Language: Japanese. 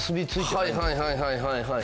はいはいはいはい。